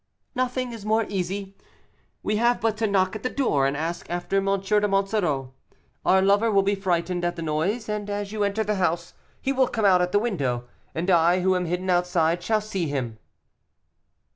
"Nothing is more easy; we have but to knock at the door, and ask after M. de Monsoreau. Our lover will be frightened at the noise, and as you enter the house he will come out at the window, and I, who am hidden outside, shall see him."